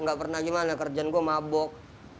gak pernah gimana kerjaan gue mabok